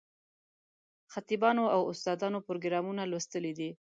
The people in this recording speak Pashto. خطیبانو او استادانو پروګرامونه لوستلي دي.